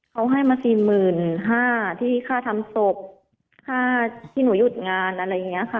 เขาให้มา๔๕๐๐บาทที่ค่าทำศพค่าที่หนูหยุดงานอะไรอย่างนี้ค่ะ